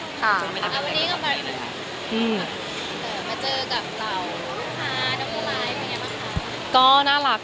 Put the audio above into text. มาเจอกับเบาพุทธค้าน้องโมไลน์อย่างเงี้ยป่ะค่ะ